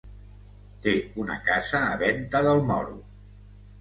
Té una casa a Venta del Moro.